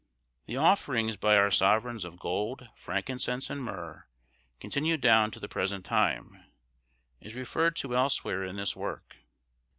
The offerings by our sovereigns of gold, frankincense, and myrrh, continued down to the present time, is referred to elsewhere in this work.